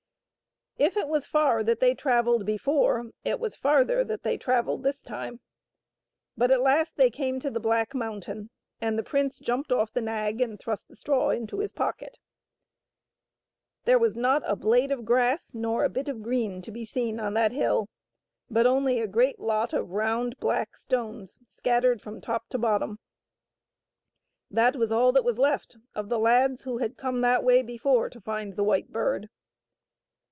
If it was far that they travelled before, it was farther that they travelled this time. But at last they came to the black mountain, and the prince jumped oflF the nag and thrust the straw into his pocket. There was not a blade of grass nor a bit of green to be seen on the hill, but only a great lot of round, black stones scattered from top to bottom. That was all that was left of the lads who had come that way before to find the White Bird.